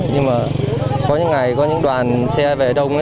nhưng mà có những ngày có những đoàn xe về đông